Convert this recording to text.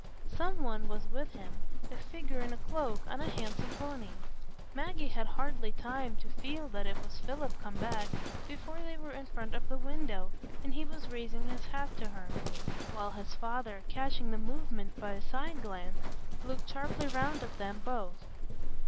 Some one was with him,—a figure in a cloak, on a handsome pony. Maggie had hardly time to feel that it was Philip come back, before they were in front of the window, and he was raising his hat to her; while his father, catching the movement by a side glance, looked sharply round at them both.